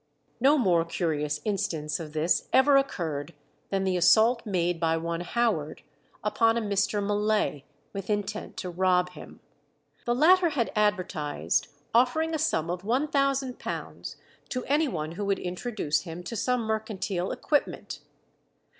No more curious instance of this ever occurred than the assault made by one Howard upon a Mr. Mullay, with intent to rob him. The latter had advertised, offering a sum of £1000 to any one who would introduce him to some mercantile employment.